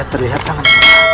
dia terlihat sangat